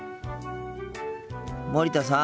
森田さん。